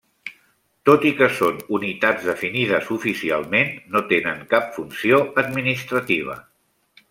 Tot i que són unitats definides oficialment, no tenen cap funció administrativa.